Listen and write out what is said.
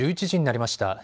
１１時になりました。